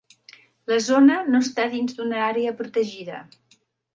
La zona no està dins d'una àrea protegida.